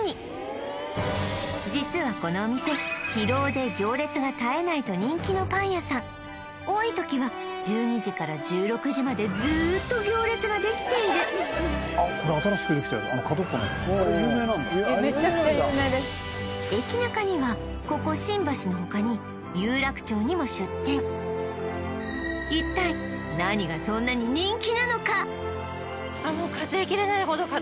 実はこのお店広尾で行列が絶えないと人気のパン屋さん多い時は１２時から１６時までずっと行列ができているあの角っこの有名なんだああ有名なんだ駅ナカにはここ新橋の他に有楽町にも出店一体何がそんなに人気なのか？